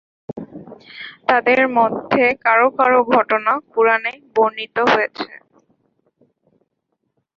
তাঁদের মধ্যে কারো কারো ঘটনা কুরআনে বর্ণিত হয়েছে।